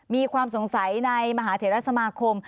มีความสงสัยในมหาเถระสมาคม